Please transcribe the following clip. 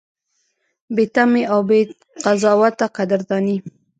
بې تمې او بې قضاوته قدرداني: